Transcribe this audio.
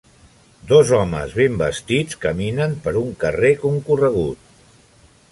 Dos homes ben vestits caminen per un carrer concorregut.